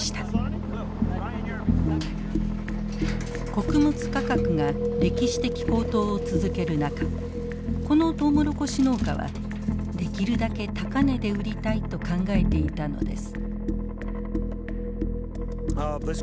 穀物価格が歴史的高騰を続ける中このトウモロコシ農家はできるだけ高値で売りたいと考えていたのです。